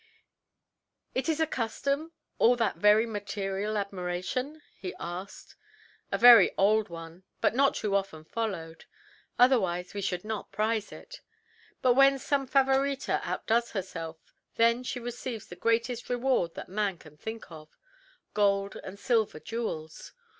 "It is a custom all that very material admiration?" he asked. "A very old one, but not too often followed. Otherwise we should not prize it. But when some Favorita outdoes herself then she receives the greatest reward that man can think of gold and silver jewels.